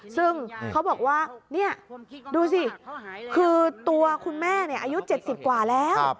ซึ่งเขาบอกว่าเนี่ยดูสิคือตัวคุณแม่เนี่ยอายุเจ็ดสิบกว่าแล้ว